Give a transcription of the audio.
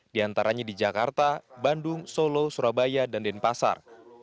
diantaranya di jakarta bandung solo surabaya dan denpasar